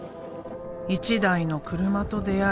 １台の車と出会い